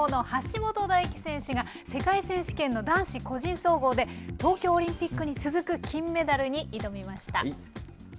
体操の橋本大輝選手が世界選手権の男子個人総合で、東京オリンピックに続く金メダルに挑みました。